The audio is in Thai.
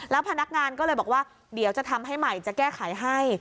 พนักงานก็เลยบอกว่าเดี๋ยวจะทำให้ใหม่จะแก้ไขให้